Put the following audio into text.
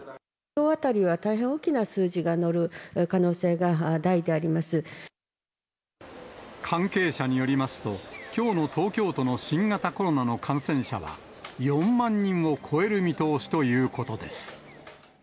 きょうあたりは大変大きな数関係者によりますと、きょうの東京都の新型コロナの感染者は、４万人を超える見通しということです。